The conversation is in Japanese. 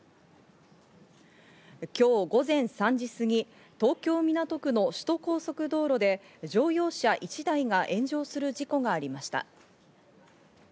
今日午前３時すぎ、東京・港区の首都高速道路で乗用車１台が炎上する事故がありました。